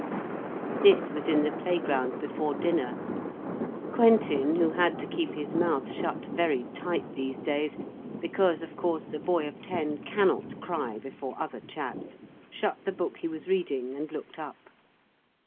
This was in the playground before dinner. Quentin, who had to keep his mouth shut very tight these days, because, of course, a boy of ten cannot cry before other chaps, shut the book he was reading and looked up.